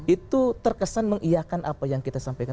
itu terkesan mengiakan apa yang kita sampaikan